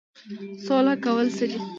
سوله کول څه دي؟